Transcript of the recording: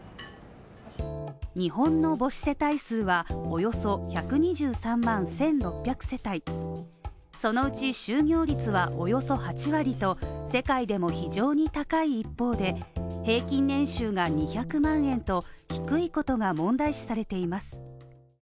日本の母子世帯数はおよそ１２３万１６００世帯そのうち就業率はおよそ８割と世界でも非常に高い一方で平均年収が２００万円と低いことが問題視されています。